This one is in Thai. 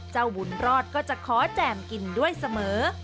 บุญรอดก็จะขอแจ่มกินด้วยเสมอ